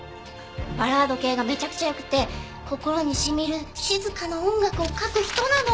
バラード系がめちゃくちゃ良くて心に染みる静かな音楽を書く人なの！